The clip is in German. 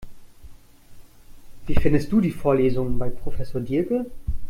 Wie findest du die Vorlesungen bei Professor Diercke?